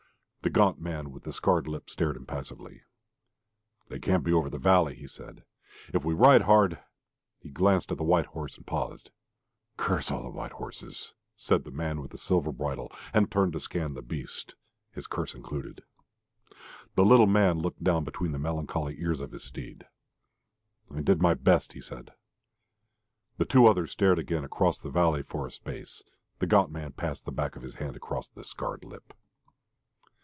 The gaunt man with the scarred lip stared impassively. "They can't be over the valley," he said. "If we ride hard " He glanced at the white horse and paused. "Curse all white horses!" said the man with the silver bridle, and turned to scan the beast his curse included. The little man looked down between the melancholy ears of his steed. "I did my best," he said. The two others stared again across the valley for a space. The gaunt man passed the back of his hand across the scarred lip.